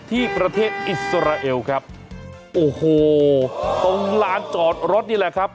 ที่ประเทศอิสราเอลครับโอ้โหตรงลานจอดรถนี่แหละครับ